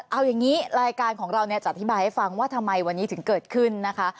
เอาอย่างนี้รายการของเราเนี่ยจะอธิบายให้ฟังว่าทำไมวันนี้ถึงเกิดขึ้นนะคะ